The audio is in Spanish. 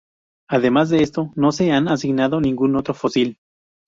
Además de esto, no se han asignado ningún otro fósil.